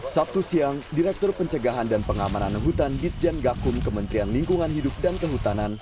sabtu siang direktur pencegahan dan pengamanan hutan ditjen gakum kementerian lingkungan hidup dan kehutanan